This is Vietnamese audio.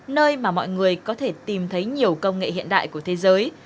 nơi mà mọi người có thể tìm thấy nhiều công nghệ hiện đại của thế giới